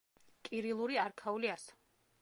კირილური არქაული ასო.